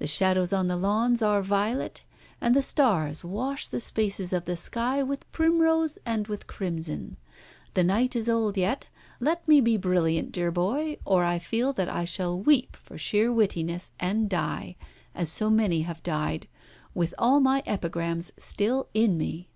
The shadows on the lawns are violet, and the stars wash the spaces of the sky with primrose and with crimson. The night is old yet. Let me be brilliant, dear boy, or I feel that I shall weep for sheer wittiness, and die, as so many have died, with all my epigrams still in me."